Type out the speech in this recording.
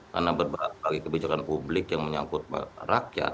karena berbagai kebijakan publik yang menyangkut rakyat